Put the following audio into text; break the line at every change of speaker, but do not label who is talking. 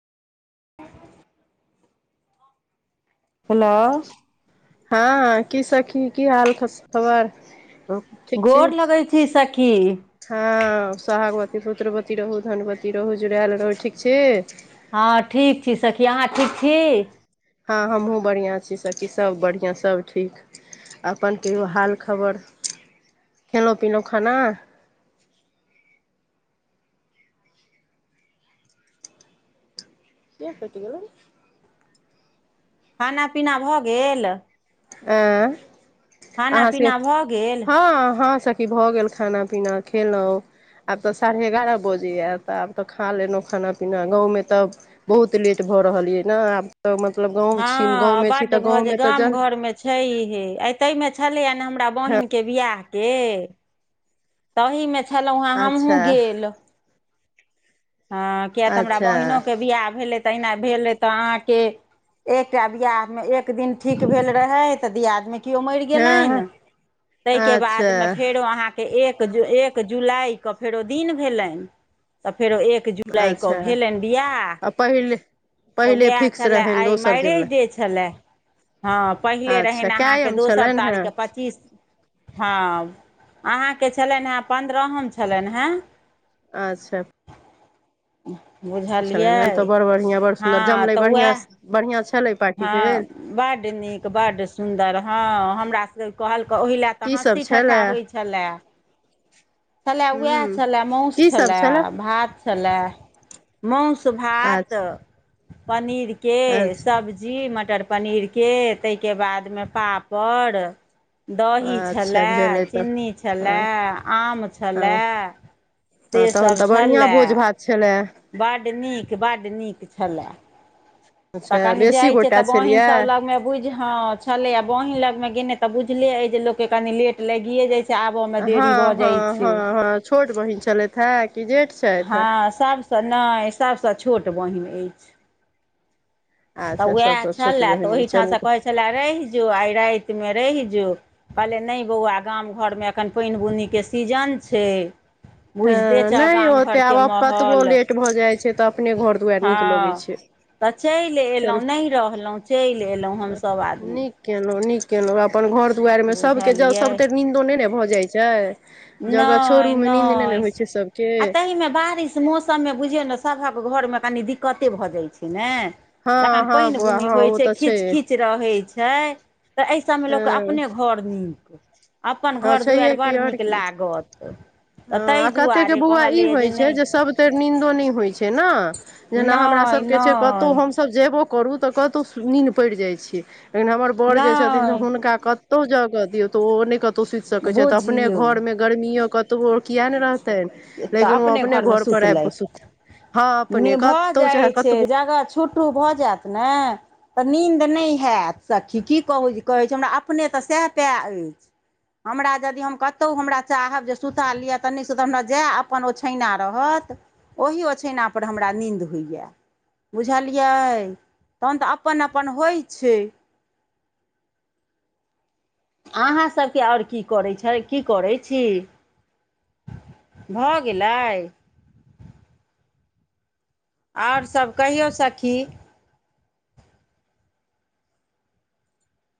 Hello.
हँ की सखी की हाल खस खबर। ठीक छी
गोर लगैत छी सखी।
हँ सोहागवती पुत्रवती रहू धनवती रहू जुड़ायल रहू ठीक छी।
हँ ठीक छी सखी अहाँ ठीक छी।
हँ हमहूँ बढ़िआँ छी सखी सभ बढ़िआँ सभ ठीक। अपन कहियो हाल खबर खेलों पीलों खाना। के कइट गेलय।
खाना पीना भऽ गेल।
आ
खाना
अहाँ से
पीना भऽ गेल
हँ हँ स की भऽ गेल खाना पीना खेलों। आब तऽ साढ़े एगारह बजेय तऽ आब तऽ खा लेलहुँ खाना पीना गाँवमे तऽ बहुत लेट भऽ रहल ये ने आब तऽ मतलब गाँव छी गाँवमे छी तऽ गाँवमे तऽ जल
छै हे आ ताहिमे छलैय ने हमरा बहिनके बिआह। के तहीमे छलहुँ हेँ हमहहुँ
अच्छा
गेल। हँ किएक तऽ हमरा
अच्छा
बहीनोके बियाह भेलै तहिना भेलै तऽ अहाँके एकटा बियाह में एक दिन ठीक भेल रहे तऽ दियादमे कियो मैर
हँ
गेलेन तैके बादमें
अच्छा
फेरों अहाँ के एक जु एक जुलाइके फेरो दिन भेलइन। फेरो एक
अच्छा
भेलनि बियाह
आ पहिले पहिले फिक्स रहेन दोसर दिन लऽ।
भेलै हँ पहिले रहेन
अच्छा
अहांके
कायम
दोसर
छलनि हेँ
तारीखके पच्चीस हँ अहाँके छलेन हँ पन्द्रहम छलेन हँ।
अच्छा।
[unintelligible]
छलनि हे तऽ बड़ बढ़िआं बड़ सुन्दर
हँ
जमलै
तऽ
बढ़ियां
उएह
बढ़ियां छलै। पार्टी
हँ
भेल
बड नीक बड सुन्दर हँ हमरा सबके कहलक ओहि ल तऽ
की सब
हँसी ठ्ठा
छलए
होइत छलए छलै उएह
हूँ
छलै मौस
की सब
छलै
छलए
भात छलै मौस भात
अच्छा
पनीरके सब् जी मटर पनीरके ताहिके बादमे पापड़ दही
अच्छा अच्छा
छलय
भेलै तऽ
चीनी
हँ
छलय आम
हँ
छलय
हँ तहन तऽ बढ़िआँ भोज भात छलए।
बड नीक बड नीक छलय। तऽ
अच्छा
कनि
बेसी
जाइ छैय तऽ
गोटा
बहिन सब
छलियै
लग मे बुझ हँ छले आ बहीन लग में गने तऽ बुझले ए जे लोको के कनी लेट लगिए जाय छैय।
हँ हँ हँ हँ छोट बहिन छलैत है कि जेठ छथि
हँ सभसँ नहि सभसँ छोट बहिन अइछ। तऽ
अच्छा
उएह
सभसँ छोट
छलय तऽ
बहिन चलू
ओहीठामसँ कहै छलयए रइह जो आइ राइतमे रइह जो। कहलियै नै बौआ गाम घरमे एखन पाइन बुनीके सीजन छैय। बुझते
हँ
छहक।
नहि होतै, आब कतबो लेट भऽ जाइ छै तऽ अपने घर- दुआरि
हँ
नीक लगै छै।
तऽ चलि
चलू
अयलहुँ, नहि रहलहुँ, चलि एयलहुँ हमसभ आदमी।
कयेलहुँ, नीक कयलहुँ अपन घर-दुआरिमें सभके ज
बुझलियै
सभ तरि नीन्दो नहि ने भऽ जाइत छै। जगह
नइ-
छोरूमे नींद नहि ने
नइ
होइ छै सभके
आ तहिमे बारिश। मौसम में बुझियौ ने, सभक घर में कनी दिक्कते भऽ जाइत छै ने।
हँ
जखन
हँ बौआ
पानि-बुनी
हँ
होइ
ओ
छै,
तऽ
खीछ -खीछ रहै छै। तऽ एहि सबमें लोक कऽ
हँ
अपने घर नीक, अपन
हँ
घर-
छैहे
दुआरि
की
बड़
आओर
नीक।
की
रहत।
हँ आ कतेकके बौआ ई होइत छै,
नहि
जे सभतरि नीन्दो नहि होइत छै ने। जेना हमरा
नहि
सभके छै कतहु
नहि
हम। सब जेबो करू तऽ कतहु नीन्द पड़ि जाइ छै, लेकिन हमर बड़ जे छथिन से
नहि
हुनका। कतौ जगऽ दियौ तो ओ नहि कतौ सुति सकैत छैथ, अपने
बुझियौ
घर में गर्मियों कतबो किया ने रह।
तऽ
लेकिन ओ अपने
घरमे
घर पर आब क
सुतलथि
सुत। हँ अपने, कतहु चाहे कतबो।
ठुटू भऽ जायत ने। तऽ नींन्द नहि हैत सखी, की कहू जे कहैत छै हमरा अपने तऽ सएह पैअ अछि। हमरा यदि हम कतहु हमरा चाहब जे सुता लिअ त नहि सुतब हमरा। जैह अपन ओछैना रहत, ओहि ओछैनापर हमरा नींद होइए। बुझलियै तहन तऽ अपन-अपन होइ छै। अहाँसभके आओर की करै छै, की करै छी। भऽ गेलै। आओर सभ कहियो सखी।